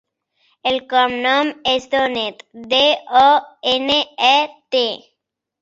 El cognom és Donet: de, o, ena, e, te.